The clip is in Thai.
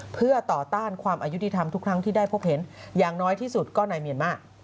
เพื่อต่อต้านความอายุติธรรมทุกครั้งที่ได้พบเห็นอย่างน้อยที่สุดก็ในเมียนมาร์